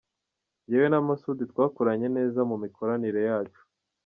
"Njyewe na Masud twakoranye neza mu mikoranire yacu.